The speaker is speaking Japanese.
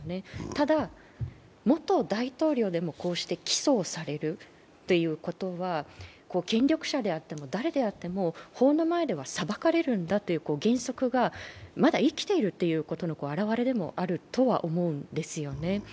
ただ、元大統領でもこうして起訴をされるということは権力者であっても、誰であっても法の前では裁かれるんだという原則がまだ生きているということのあらわれでもあると思うんですよね。